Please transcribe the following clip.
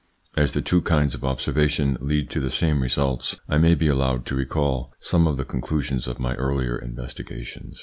As the two kinds of observation lead to the same results, I may be allowed to recall some of the con clusions of my earlier investigations.